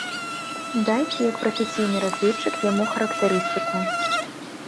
Дайце як прафесійны разведчык яму характарыстыку.